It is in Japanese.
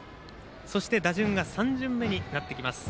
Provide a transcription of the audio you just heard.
そして打順は３巡目になってきます。